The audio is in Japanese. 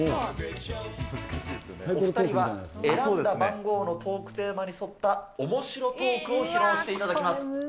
お２人は選んだ番号のトークテーマに沿ったおもしろトークを披露は？